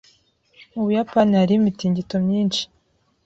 Mu Buyapani Hariho imitingito myinshi.